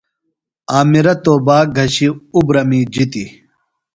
عامرہ توباک گھشیۡ اُبرہ می جِتیۡ۔